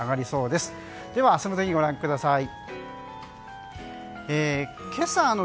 では明日の天気ご覧ください。